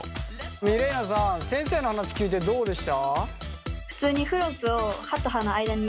ミレイナさん先生の話聞いてどうでした？